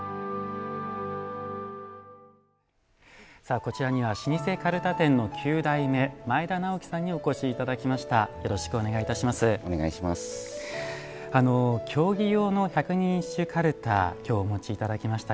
こちらには老舗かるた店の九代目前田直樹さんにお越しいただきました。